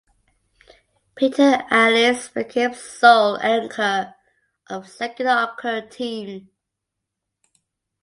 Peter Alliss became sole anchor of the second anchor team.